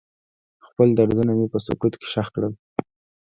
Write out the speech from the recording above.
خپل دردونه مې په سکوت کې ښخ کړل.